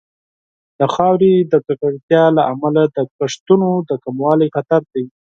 د خاورې د ککړتیا له امله د کښتونو د کموالي خطر دی.